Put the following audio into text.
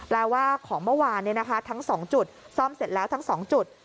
แปลว่าของเมื่อวานทั้ง๒จุดซ่อมเสร็จแล้วทั้ง๒จุด